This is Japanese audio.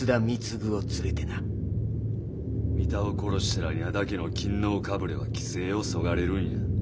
三田を殺したら稲田家の勤皇かぶれは気勢をそがれるんや。